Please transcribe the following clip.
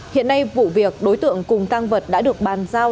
hiện nay vụ việc đối tượng cùng tăng vật đã được bàn giao